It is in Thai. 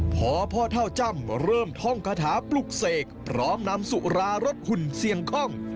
พอพ่อเท่าจ้ำเริ่มท่องคาถาปลุกเสกพร้อมนำสุรารสหุ่นเสี่ยงคล่อง